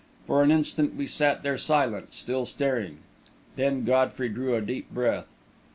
For an instant we sat there silent, still staring. Then Godfrey drew a deep breath.